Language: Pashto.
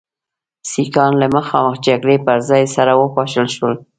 سیکهان له مخامخ جګړې پر ځای سره وپاشل شول.